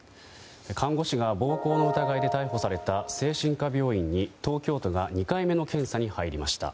看護師が暴行の疑いで逮捕された精神科病院に、東京都が２回目の検査に入りました。